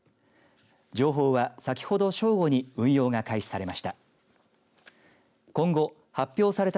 情報は、先ほど正午に運用が開始されました。